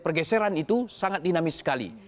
pergeseran itu sangat dinamis sekali